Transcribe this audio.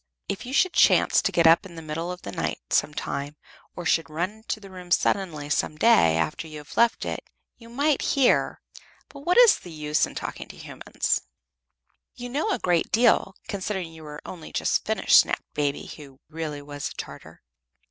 If you should chance to get up in the middle of the night, some time, or should run into the room suddenly some day, after you have left it, you might hear but what is the use of talking to human beings?" "You know a great deal, considering you are only just finished," snapped Baby, who really was a Tartar.